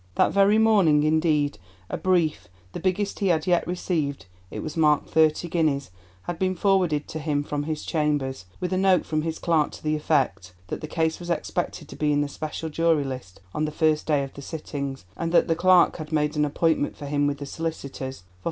That very morning, indeed, a brief, the biggest he had yet received—it was marked thirty guineas—had been forwarded to him from his chambers, with a note from his clerk to the effect that the case was expected to be in the special jury list on the first day of the sittings, and that the clerk had made an appointment for him with the solicitors for 5.